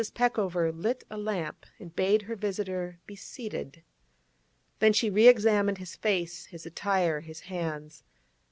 Peckover lit a lamp and bade her visitor be seated. Then she re examined his face, his attire, his hands.